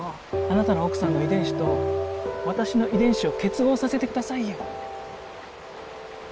あなたの奥さんの遺伝子と私の遺伝子を結合させてくださいよ。